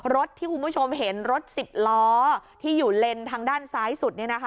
รถที่คุณผู้ชมเห็นรถ๑๐ล้อที่อยู่เลนทางด้านซ้ายสุด